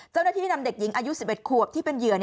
เจ้าหน้าที่นำเด็กหญิงอายุ๑๑ขวบที่เป็นเหยื่อ